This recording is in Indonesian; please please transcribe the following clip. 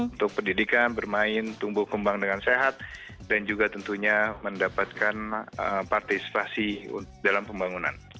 untuk pendidikan bermain tumbuh kembang dengan sehat dan juga tentunya mendapatkan partisipasi dalam pembangunan